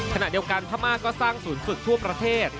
ขณะเดียวกันพม่าก็สร้างศูนย์ฝึกทั่วประเทศ